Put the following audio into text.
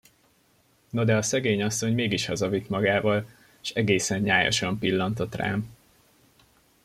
No de a szegény asszony mégis hazavitt magával, s egészen nyájasan pillantott rám.